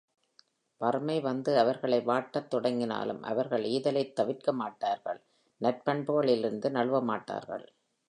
வறுமை வந்து அவர்களை வாட்டத் தொடங்கினாலும் அவர்கள் ஈதலைத் தவிர்க்கமாட்டார்கள், நற் பண்புகளில் இருந்து நழுவமாட்டார்கள்.